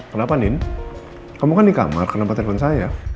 kenapa andi kamu kan di kamar kenapa telfon saya